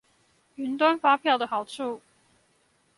雲端發票的好處